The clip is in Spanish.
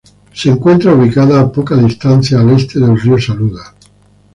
Se encuentra ubicada a poca distancia al este del río Saluda.